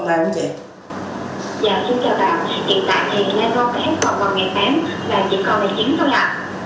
hiện tại thì lê vô tết còn vào ngày tám